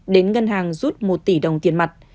đến ngân hàng rút một tỷ đồng tiền mặt